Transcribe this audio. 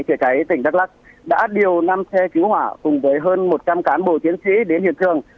chữa cháy tỉnh đắk lắc đã điều năm xe cứu hỏa cùng với hơn một trăm linh cán bộ chiến sĩ đến hiện trường